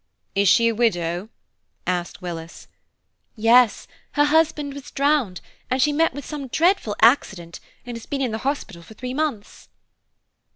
"Is she a widow?" asked Willis. "Yes, her husband was drowned, and she met with some dreadful accident, and has been in the hospital for three months."